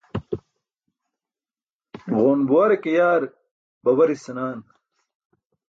Ġoon buware ke yaar babaris senaan.